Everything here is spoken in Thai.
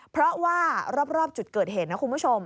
เพราะว่ารอบจุดเกิดเหตุนะคุณผู้ชม